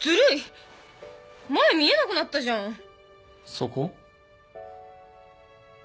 そこ？